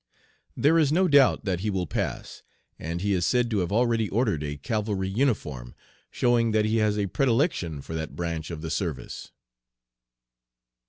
There is no doubt that he will pass, and he is said to have already ordered a cavalry uniform, showing that he has a predilection for that branch of the service."